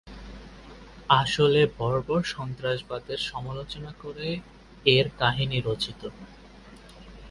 আসলে বর্বর সন্ত্রাসবাদের সমালোচনা করে এর কাহিনী রচিত।